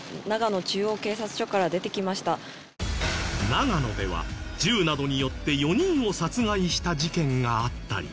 長野では銃などによって４人を殺害した事件があったり。